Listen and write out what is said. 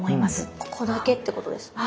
ここだけってことですね？